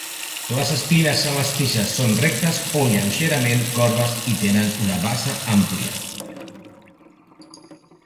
Les espines a les tiges són rectes o lleugerament corbes i tenen una base àmplia.